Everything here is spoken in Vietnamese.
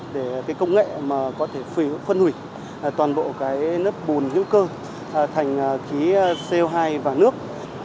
để công nghệ có thể phân hủy toàn bộ nước bùn hữu cơ thành khí co hai và nước